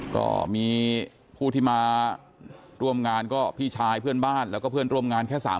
ก็มีผู้ที่มาร่วมงานก็พี่ชายเพื่อนบ้าน